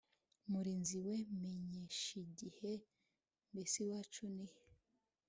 murinzi we! menyesh’ igihe!mbes’ iwacu nihee